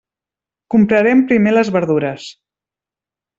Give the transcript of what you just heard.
Comprarem primer les verdures.